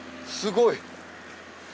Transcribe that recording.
すごい！